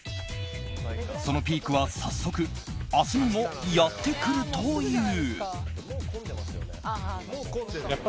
そのピークは早速明日にもやってくるという。